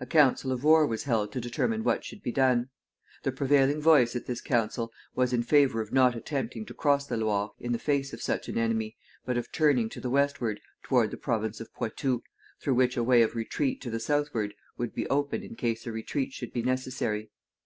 A council of war was held to determine what should be done. The prevailing voice at this council was in favor of not attempting to cross the Loire in the face of such an enemy, but of turning to the westward toward the province of Poitou, through which a way of retreat to the southward would be open in case a retreat should be necessary.